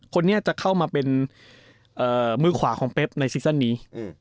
คนนี้จะเข้ามาเป็นมือขวาของเป๊บในซีซั่นนี้